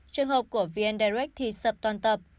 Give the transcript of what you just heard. trường hợp của vn direct thì sập toàn tập